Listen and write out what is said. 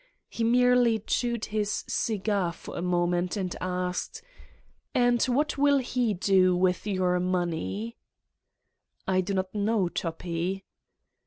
He merely chewed his cigar for a moment and asked : 157 Satan's Diary "And what will he do with your money V 9 "I do not know, Toppi."